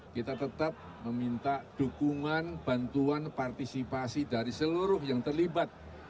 kita tetap meminta dukungan bantuan partisipasi dari seluruh yang terlibat